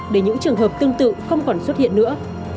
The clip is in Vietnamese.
để những trường hợp tương tự không còn xuất hiện nữa